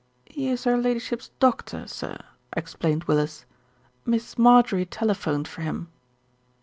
"He is her Ladyship's doctor, sir," explained Willis. "Miss Marjorie telephoned for him."